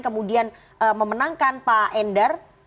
kemudian memenangkan pak endar